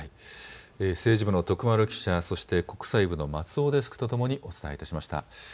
政治部の徳丸記者、そして国際部の松尾デスクとともにお伝えいたしました。